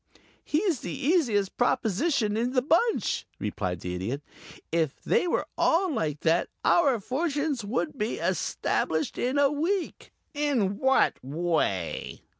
"He's the easiest proposition in the bunch," replied the Idiot. "If they were all like that our fortunes would be established in a week." "In what way?"